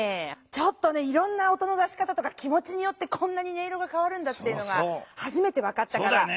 ちょっとねいろんな音の出し方とか気もちによってこんなに音色がかわるんだっていうのがはじめて分かったから。